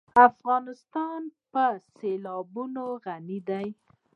افغانستان په سیلابونه غني دی.